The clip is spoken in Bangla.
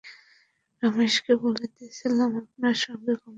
রমেশকে বলিতেছিলেন আপনার সঙ্গে কমলার কী সম্বন্ধ, তাহা আমি সমস্তই জানিয়াছি।